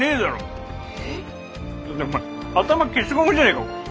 えっ？だってお前頭消しゴムじゃねえかこれ。